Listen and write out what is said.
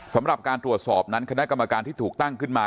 สำหรับการตรวจสอบนั้นคณะกรรมการที่ถูกตั้งขึ้นมา